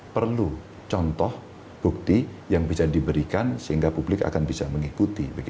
perlu contoh bukti yang bisa diberikan sehingga publik akan bisa mengikuti